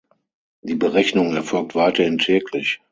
Die Berechnung erfolgt weiterhin täglich.